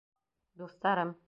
Дуҫтарым!